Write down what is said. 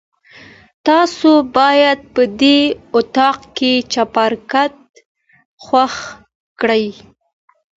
تاسو باید په دې اطاق کې چپرکټ خوښ کړئ.